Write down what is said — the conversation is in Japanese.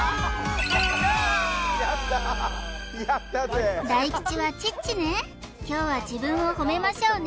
よーい大吉はチッチね今日は自分を褒めましょうね